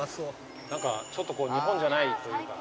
なんかちょっとこう日本じゃないというか。